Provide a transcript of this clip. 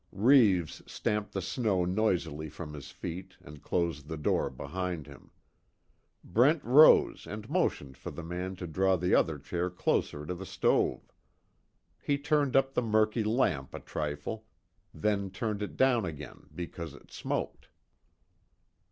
Reeves stamped the snow noisily from his feet and closed the door behind him. Brent rose and motioned for the man to draw the other chair closer to the stove. He turned up the murky lamp a trifle, then turned it down again because it smoked.